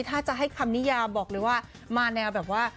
ถ้าจะให้คำนิยาบอกเลยว่ามาแนวแบบว่า